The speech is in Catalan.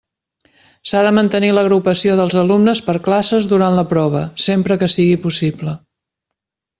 S'ha de mantenir l'agrupació dels alumnes per classes durant la prova, sempre que sigui possible.